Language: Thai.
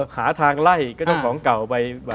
หาทางไล่ก็เจ้าของเก่าไป